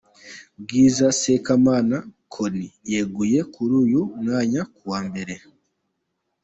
Bwiza Sekamana Connie yeguye kuri uyu mwanya kuwa mbere.